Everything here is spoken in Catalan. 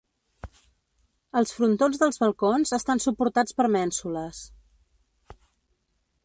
Els frontons dels balcons estan suportats per mènsules.